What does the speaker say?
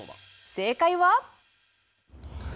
正解は。